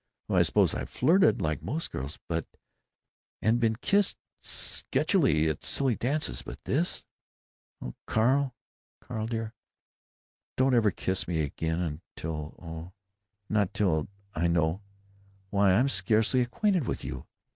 Oh, I suppose I've flirted, like most girls, and been kissed sketchily at silly dances. But this——Oh, Carl, Carl dear, don't ever kiss me again till—oh, not till I know. Why, I'm scarcely acquainted with you!